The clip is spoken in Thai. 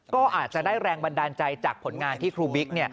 ก็อาจจะได้แรงบันดาลใจจากผลงานที่ครูบิ๊ก